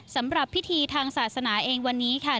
สำหรับพิธีทางศาสนาเองวันนี้ค่ะ